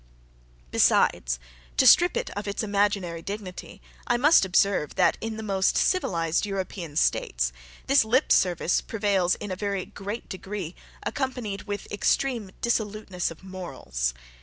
Besides, to strip it of its imaginary dignity, I must observe, that in the most civilized European states, this lip service prevails in a very great degree, accompanied with extreme dissoluteness of morals.